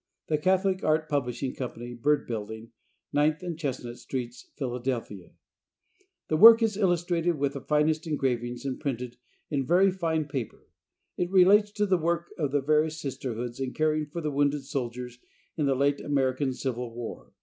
The Catholic Art Publishing Company, Burd Building, 9th and Chestnut sts., Philadelphia. The work is illustrated with the finest engravings and printed on very fine paper. It relates to the work of the various Sisterhoods in caring for the wounded soldiers in the late American Civil War.